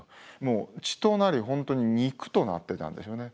血となり本当に肉となってたんでしょうね。